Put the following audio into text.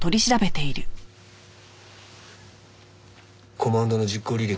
コマンドの実行履歴